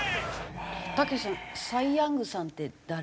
たけしさんサイ・ヤングさんって誰？